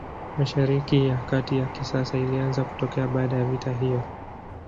Mashariki ya Kati ya kisasa ilianza kutokea baada ya vita hiyo.